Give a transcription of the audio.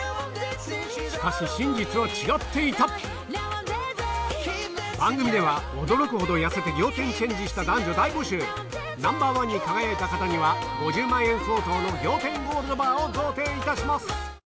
しかし真実は違っていた番組では驚くほど痩せてナンバーワンに輝いた方には５０万円相当の仰天ゴールドバーを贈呈いたします